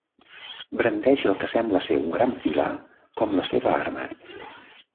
Brandeix el que sembla ser un gran pilar, com la seva arma.